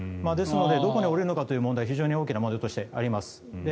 ですのでどこに降りるのかという問題は非常に大きな問題としてあります。